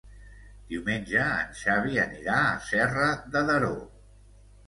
Diumenge en Xavi anirà a Serra de Daró.